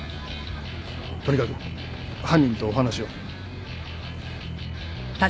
とにかく犯人とお話を。